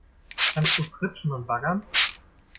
Kannst du pritschen und baggern?